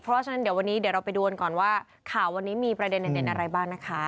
เพราะว่าวันนี้เดี๋ยวเราไปดูกันก่อนว่าข่าววันนี้มีประเด็นอะไรบ้างนะคะ